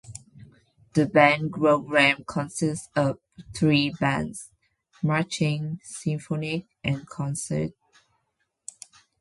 The band program consists of three bands: Marching, Symphonic, and concert.